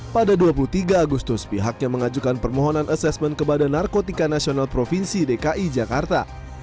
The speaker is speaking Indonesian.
pada dua puluh tiga agustus pihaknya mengajukan permohonan asesmen kepada narkotika nasional provinsi dki jakarta